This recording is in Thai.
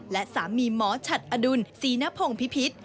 และสามีหมอฉัดอดุลศรีนพงศ์พิพิษ